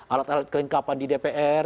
alat alat kelengkapan di dpr